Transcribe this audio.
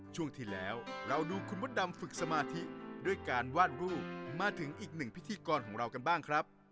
ช่วงที่แล้วเราดูคุณมดดำฝึกสมาธิด้วยการวาดรูปมาถึงอีกหนึ่งพิธีกรของเรากันบ้างครับ